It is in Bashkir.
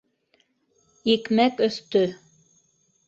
- Икмәк өҫтө.